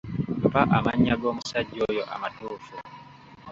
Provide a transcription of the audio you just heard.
Mpa amannya g'omusajja oyo amatuufu.